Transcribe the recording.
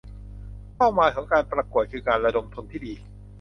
เป้าหมายของการประกวดคือการระดมทุนที่ดี